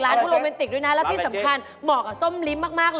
โรแมนติกด้วยนะแล้วที่สำคัญเหมาะกับส้มลิ้มมากเลย